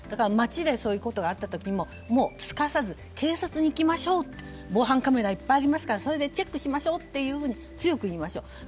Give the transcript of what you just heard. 街でそういうことがあった際はもうすかさず警察に行きましょう防犯カメラがいっぱいありますからそれでチェックしますよと強く言いましょう。